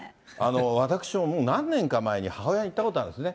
私は、もう何年か前に、母親に言ったことあるんですね。